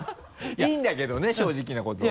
いいんだけどね正直なことは。